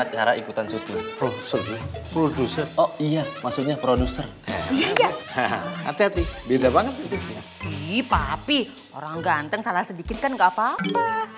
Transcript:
ih papi orang ganteng salah sedikit kan gak apa apa